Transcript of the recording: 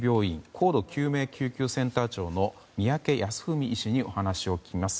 高度救命救急センター長の三宅康史医師にお話を聞きます。